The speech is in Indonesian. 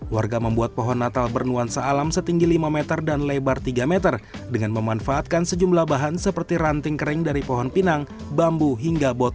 warga membuat pohon natal bernuansa alam setinggi lima meter dan lebar tiga meter dengan memanfaatkan sejumlah bahan seperti ranting kering dari pohon pinang bambu hingga botol